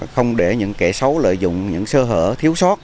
không để những kẻ xấu lợi dụng những sơ hở thiếu sót